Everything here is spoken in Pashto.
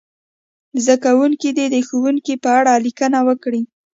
زده کوونکي دې د ښوونکي په اړه لیکنه وکړي.